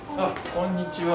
こんにちは。